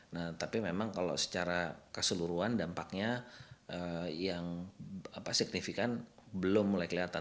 nah tapi memang kalau secara keseluruhan dampaknya yang signifikan belum mulai kelihatan